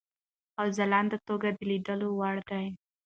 او ځلانده توګه د لیدلو وړ دی.